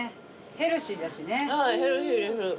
ヘルシーです。